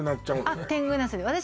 あっ天狗なすで私